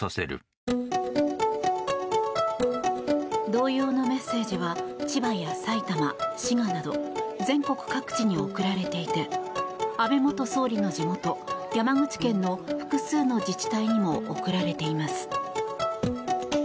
同様のメッセージは千葉や埼玉、滋賀など全国各地に送られていて安倍元総理の地元、山口県の複数の自治体にも送られています。